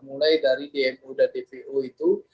mulai dari dmu dan dvu itu